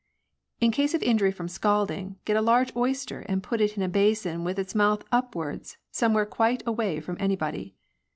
" In cases of injury from scalding, get a large oyster and put it in a basin with its mouth upwards somewhere quite away from anybody.